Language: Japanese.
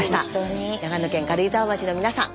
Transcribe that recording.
長野県軽井沢町の皆さん